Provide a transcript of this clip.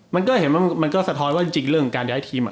มันก็เห็นมันก็สะท้อนว่าจริงเรื่องของการย้ายทีม